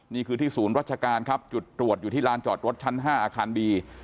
นี่คือที่ศูนย์รัชการครับจุดตรวจอยู่ที่ลานจอดรถชั้น๕อาคารดี